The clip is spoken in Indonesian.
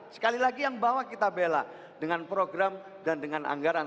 sekali lagi yang bawah kita bela dengan program dan dengan anggaran